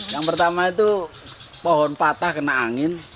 yang pertama itu pohon patah kena angin